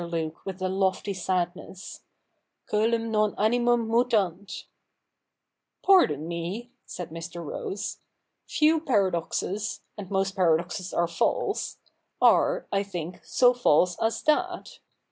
Luke with a lofty sadness, ' ccclum nofi a/iwwm imitanf' ' Pardon me,' said Mr. Rose, ' few paradoxes — and most paradoxes are false — are, I think, so false as that.